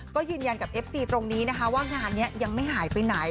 ก็ยืนยันกับเอฟซีตรงนี้นะคะว่างานนี้ยังไม่หายไปไหน